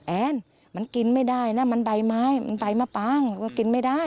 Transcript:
แอนมันกินไม่ได้นะมันใบไม้มันใบมะปางก็กินไม่ได้